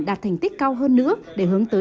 đạt thành tích cao hơn nữa để hướng tới